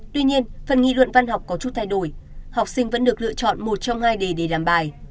tuy nhiên phần nghị luận văn học có chút thay đổi học sinh vẫn được lựa chọn một trong hai đề để làm bài